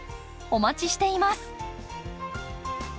お待ちしています。